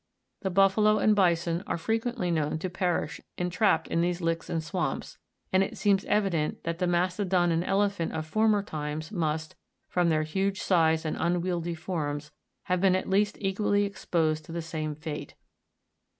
The buffalo and bison are frequently known to perish entrapped in these licks and swamps, and it seems evident that the ma'stodon and elephant of former times must, from their huge size and unwieldy forms, have been at least equally exposed to the same fate.